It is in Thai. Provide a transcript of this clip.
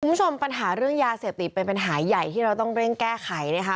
คุณผู้ชมปัญหาเรื่องยาเสพติดเป็นปัญหาใหญ่ที่เราต้องเร่งแก้ไขนะคะ